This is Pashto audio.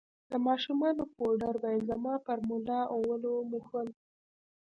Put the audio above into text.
د ماشومانو پوډر به يې زما پر ملا او ولو موښل.